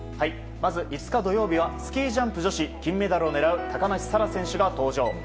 まず５日土曜日はスキージャンプ女子金メダルを狙う高梨沙羅選手が登場。